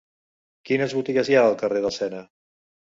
Quines botigues hi ha al carrer del Sena?